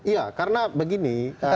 iya karena begini